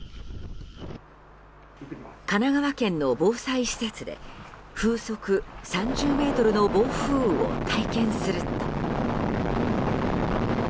神奈川県の防災施設で風速３０メートルの暴風雨を体験すると。